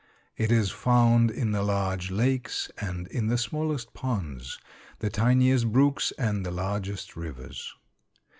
It is found in the large lakes and in the smallest ponds, the tiniest brooks and the largest rivers.